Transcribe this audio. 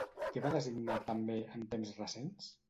Què va designar, també, en temps recents?